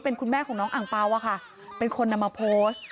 เป็นคุณแม่ของน้องอังเปล่าอะค่ะเป็นคนนำมาโพสต์